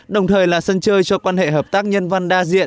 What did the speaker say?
đồng thời là sân chơi cho quan hệ hợp tác nhân văn đa diện